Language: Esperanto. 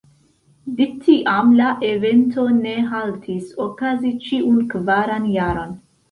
De tiam, la evento ne haltis okazi ĉiun kvaran jaron.